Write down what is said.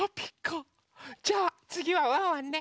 じゃあつぎはワンワンね。